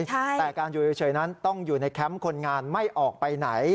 แต่การอยู่เฉยนั้นต้องอยู่ในแคมป์คนงานไม่ออกไปไหน